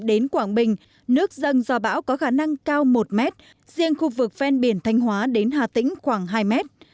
đến quảng bình nước dâng do bão có khả năng cao một mét riêng khu vực ven biển thanh hóa đến hà tĩnh khoảng hai mét